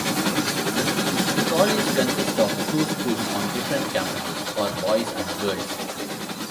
The college consists of two schools on different campuses for boys and girls.